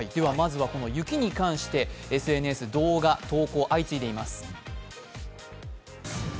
まずは雪に関して、ＳＮＳ、動画投稿、相次いでいます。